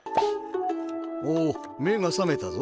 おおめがさめたぞ。